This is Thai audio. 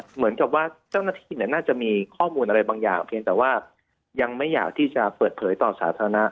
เหมือนกับว่าเจ้าหน้าที่น่าจะมีข้อมูลอะไรบางอย่างเพียงแต่ว่ายังไม่อยากที่จะเปิดเผยต่อสาธารณะ